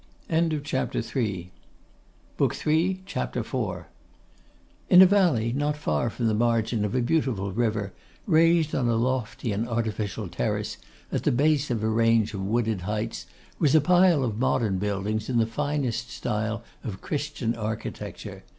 CHAPTER IV. In a valley, not far from the margin of a beautiful river, raised on a lofty and artificial terrace at the base of a range of wooded heights, was a pile of modern building in the finest style of Christian architecture.